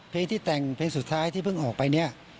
เพลงที่แต่งเพลงสุดท้ายที่เพิ่งออกไปเนี่ย